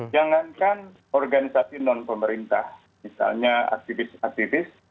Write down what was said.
jangankan organisasi non pemerintah misalnya aktivis aktivis